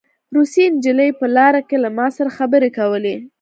روسۍ نجلۍ په لاره کې له ما سره خبرې کولې